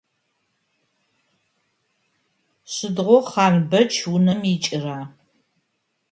Сыдигъо Хъанбэч унэм икӏыра?